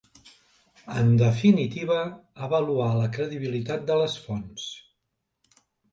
En definitiva, avaluar la credibilitat de les fonts.